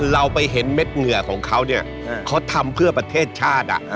เราไปเห็นเม็ดเหงื่อของเขาเนี่ยเขาทำเพื่อประเทศชาติ